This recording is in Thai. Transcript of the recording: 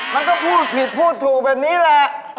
มันก็พูดผิดพูดถูกแบบนี้แหละ